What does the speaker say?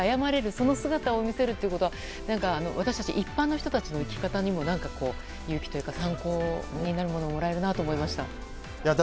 その姿を見せるということは私たち一般の人たちの生き方にも勇気というか参考になるものをもらえるなと思いました。